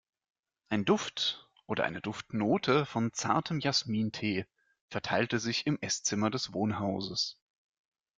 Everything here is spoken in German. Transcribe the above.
Ein Duft oder eine Duftnote von zartem Jasmintee verteilte sich im Esszimmer des Wohnhauses.